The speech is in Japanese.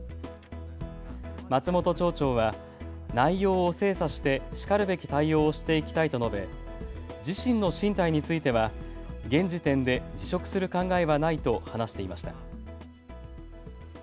松本町長は内容を精査してしかるべき対応をしていきたいと述べ自身の進退については現時点で辞職する考えはないと話していました。